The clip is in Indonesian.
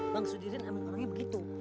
bang sudirin amat amangnya begitu